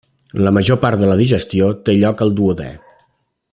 La major part de la digestió té lloc al duodè.